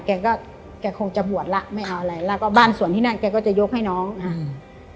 แกก็แกคงจะบวชแล้วไม่เอาอะไรแล้วก็บ้านส่วนที่นั่นแกก็จะยกให้น้องอืม